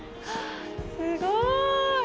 すごい。